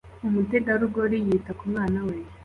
Umutegarugori yita ku mwana we